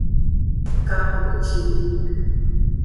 Kahocine.